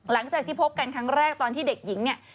หลังจากที่พบกันครั้งแรกตอนที่เด็กหญิงเนี่ย